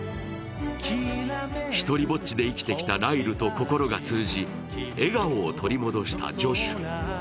独りぼっちで生きてきたライルと心が通じ、笑顔を取り戻したジョシュ。